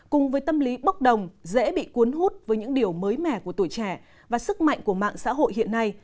cùng với tâm lý bốc đồng dễ bị cuốn hút với những điều mới mẻ của tuổi trẻ và sức mạnh của mạng xã hội hiện nay